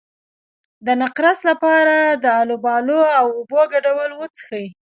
د نقرس لپاره د الوبالو او اوبو ګډول وڅښئ